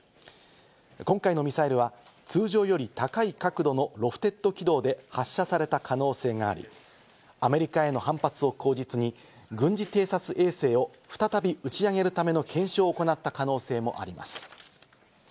今回のミサイルは、通常より高い角度のロフテッド軌道で発射された可能性があり、アメリカへの反発を口実に軍事偵察衛星を再び打ち上げるための検証を行った可能性もあります。